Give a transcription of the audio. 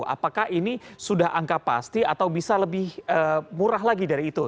apakah ini sudah angka pasti atau bisa lebih murah lagi dari itu